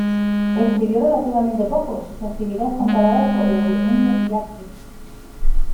Escribió relativamente poco, si su actividad es comparada a la de Ennio y Accio.